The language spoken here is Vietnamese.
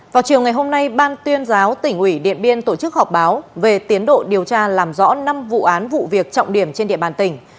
vào chiều ngày hôm nay ban tuyên giáo tỉnh ủy điện biên tổ chức họp báo về tiến độ điều tra làm rõ năm vụ án vụ việc trọng điểm trên địa bàn tỉnh